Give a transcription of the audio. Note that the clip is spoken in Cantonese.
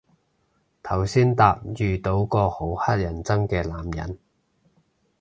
頭先搭遇到個好乞人憎嘅男人